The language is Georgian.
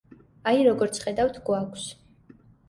აი როგორც ხედავთ, გვაქვს